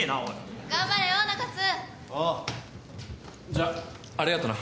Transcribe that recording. じゃあありがとな。